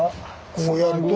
こうやると。